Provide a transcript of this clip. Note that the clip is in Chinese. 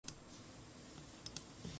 我可以回答各种问题和提供信息。